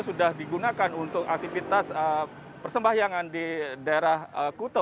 sudah digunakan untuk aktivitas persembahyangan di daerah kuto